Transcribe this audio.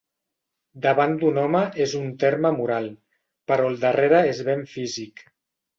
Davant d'un home és un terme moral, però al darrere és ben físic.